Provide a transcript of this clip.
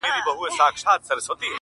شعار خو نه لرم له باده سره شپې نه كوم.